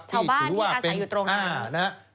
ชาวบ้านที่อาศัยอยู่ตรงนั้น